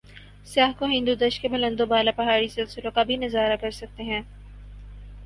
سیاح کو ہندودش کے بلند و بالا پہاڑی سلسوں کا بھی نظارہ کر سکتے ہیں ۔